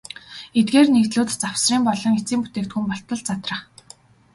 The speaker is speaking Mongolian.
Эдгээр нэгдлүүд завсрын болон эцсийн бүтээгдэхүүн болтол задрах.